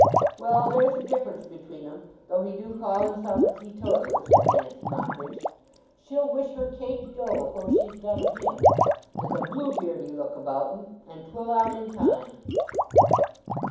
"Well—there's a difference between 'em, though he do call himself a teetotaller," said Nance Mockridge. "She'll wish her cake dough afore she's done of him. There's a blue beardy look about 'en; and 'twill out in time."